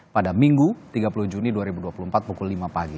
pada minggu tiga puluh juni dua ribu dua puluh empat pukul lima pagi